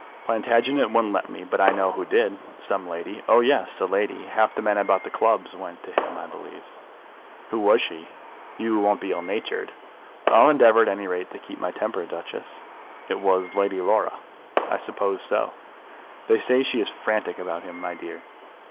"Plantagenet wouldn't let me, but I know who did." "Some lady?" "Oh, yes, a lady. Half the men about the clubs went to him, I believe." "Who was she?" "You won't be ill natured?" "I'll endeavour at any rate to keep my temper, Duchess." "It was Lady Laura." "I supposed so." "They say she is frantic about him, my dear."